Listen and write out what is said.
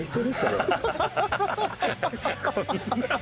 こんな。